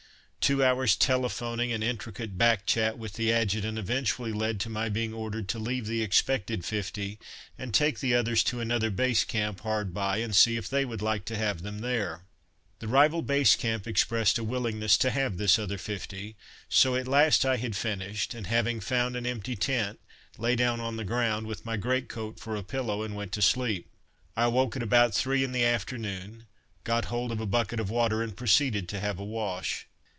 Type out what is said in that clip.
Two hours' telephoning and intricate back chat with the Adjutant eventually led to my being ordered to leave the expected fifty and take the others to another Base Camp hard by, and see if they would like to have them there. The rival Base Camp expressed a willingness to have this other fifty, so at last I had finished, and having found an empty tent, lay down on the ground, with my greatcoat for a pillow and went to sleep. I awoke at about three in the afternoon, got hold of a bucket of water and proceeded to have a wash.